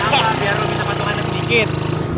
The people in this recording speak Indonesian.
biar lo bisa patungan sedikit